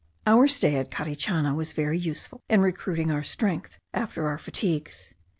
Our stay at Carichana was very useful in recruiting our strength after our fatigues. M.